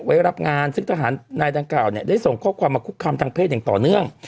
ไว้รับงานซึ่งทหารนายดังกล่าวเนี่ยได้ส่งข้อความมาคุกคำทางเพศอย่างต่อเนื่อง